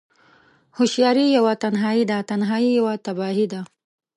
هوشیاری یوه تنهایی ده، تنهایی یوه تباهی ده